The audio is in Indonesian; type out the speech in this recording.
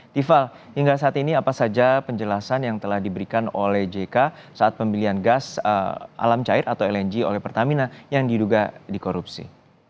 tiffal hingga saat ini apa saja penjelasan yang telah diberikan oleh jk saat pembelian gas alam cair atau lng oleh pertamina yang diduga dikorupsi